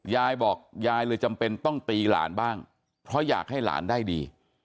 ยายบอกยายเลยจำเป็นต้องตีหลานบ้างเพราะอยากให้หลานได้ดี